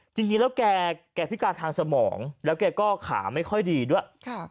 จริงแล้วแกพิการทางสมองแล้วแกก็ขาไม่ค่อยดีด้วย